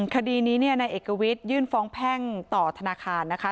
คดีนี้นายเอกวิทยื่นฟ้องแพ่งต่อธนาคารนะคะ